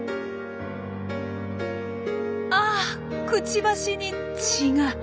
あくちばしに血が。